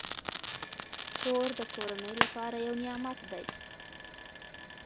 کور د کورنۍ لپاره یو نعمت دی.